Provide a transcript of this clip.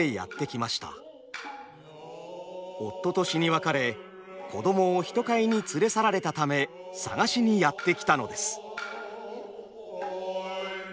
夫と死に別れ子どもを人買いに連れ去られたため捜しにやって来たのです。